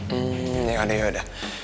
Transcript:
hmm ya ya ya udah